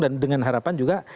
dan dengan harapan juga